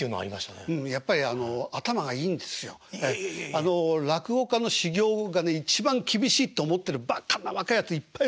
あの落語家の修業がね一番厳しいって思ってるバカな若いやついっぱいいる。